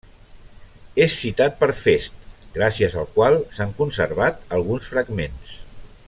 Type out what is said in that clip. És citat per Fest gràcies al qual s'han conservat alguns fragments.